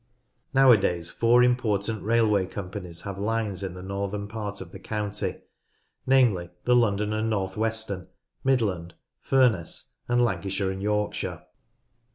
Nowadays four important railway companies have lines in the northern part of the county, namely the London and North Western, Midland, Furness, and Lancashire and Yorkshire.